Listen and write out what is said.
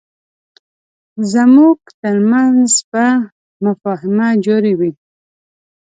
زموږ ترمنځ به مفاهمه جاري وي.